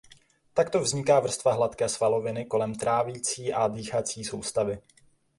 Takto vzniká vrstva hladké svaloviny kolem trávicí a dýchací soustavy.